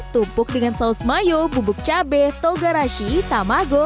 tumpuk dengan saus mayo bubuk cabai togarashi tamago